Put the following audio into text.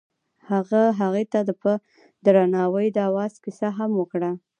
هغه هغې ته په درناوي د اواز کیسه هم وکړه.